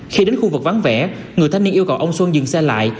khi đến khu vực vắng vẻ người thanh niên yêu cầu ông xuân dừng xe lại